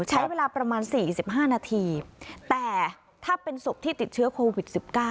ใช้เวลาประมาณ๔๕นาทีแต่ถ้าเป็นศพที่ติดเชื้อโควิด๑๙